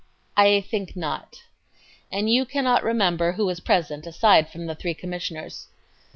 A. I think not. Q. And you cannot remember who was present aside from the three Commissioners?